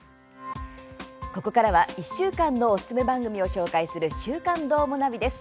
ここからは１週間のおすすめ番組を紹介する「週刊どーもナビ」です。